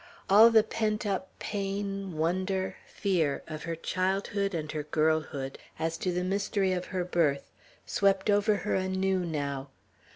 All the pent up pain, wonder, fear of her childhood and her girlhood, as to the mystery of her birth, swept over her anew, now.